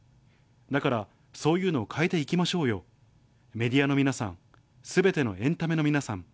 だから、そういうの変えていきましょうよ、メディアの皆さん、すべてのエンタメの皆さん。